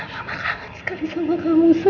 mama kangen sekali sama kamu sa